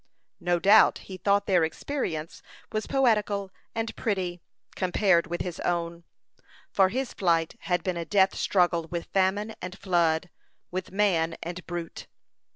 No doubt he thought their experience was poetical and pretty, compared with his own, for his flight had been a death struggle with famine and flood, with man and brute.